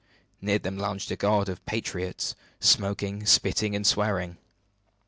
Near them lounged a guard of "Patriots," smoking, spitting, and swearing.